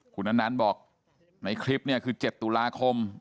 คุณอนันต์บอกในคลิปเนี่ยคือ๗ตุลาคม